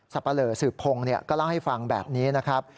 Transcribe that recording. ปะเลอสืบพงศ์ก็เล่าให้ฟังแบบนี้นะครับ